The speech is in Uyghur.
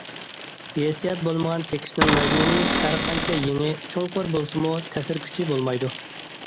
ھېسسىيات بولمىغان تېكىستنىڭ مەزمۇنى ھەر قانچە يېڭى، چوڭقۇر بولسىمۇ تەسىر كۈچى بولمايدۇ.